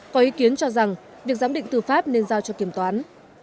có ý kiến cho rằng việc giám định tư pháp nên giao cho kiểm toán